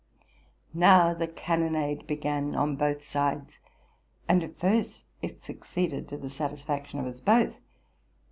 Now the cannonade began on both sides, and at first it succeeded to the satisfaction of us both.